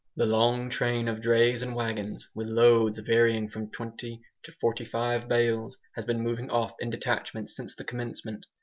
The long train of drays and wagons, with loads varying from twenty to forty five bales, has been moving off in detachments since the commencement.